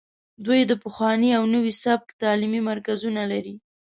دوی د پخواني او نوي سبک تعلیمي مرکزونه لري